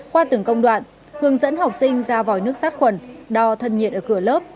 qua từng công đoạn hướng dẫn học sinh ra vòi nước sát khuẩn đo thân nhiệt ở cửa lớp